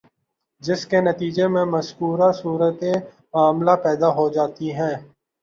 جس کے نتیجے میں مذکورہ صورتِ معاملہ پیدا ہو جاتی ہے